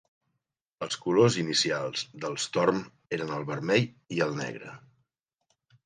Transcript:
Els colors inicials del Storm eren el vermell i el negre.